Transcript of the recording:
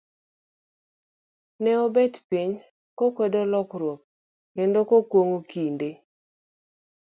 Ne obet piny, kokwedo lokruok, kendo kuong'o kinde.